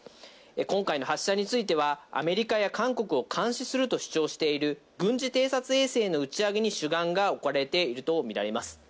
今回の発射については、アメリカや韓国を監視すると主張している軍事偵察衛星の打ち上げに主眼が置かれていると見られます。